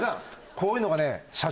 こういうのがね社長